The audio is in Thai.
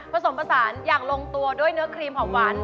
ผสมผสานอย่างลงตัวด้วยเนื้อครีมหอมหวาน